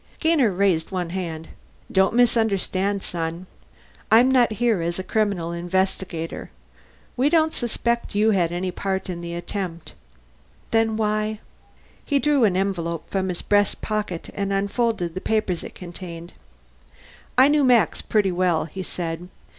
Gainer raised one hand. "Don't misunderstand, son. I'm not here as a criminal investigator. We don't suspect you had any part in the attempt." "Then why " He drew an envelope from his breast pocket and unfolded the papers it contained. "I knew Max pretty well," he said.